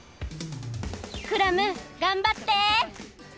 クラムがんばって！